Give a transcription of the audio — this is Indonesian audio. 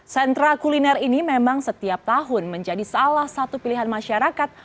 sentra kuliner ini memang setiap tahun menjadi salah satu pilihan masyarakat